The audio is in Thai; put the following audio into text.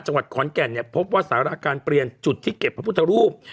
จังหวัดขอนแก่นเนี่ยพบว่าสาระการเปลี่ยนจุดที่เก็บพระพุทธรูป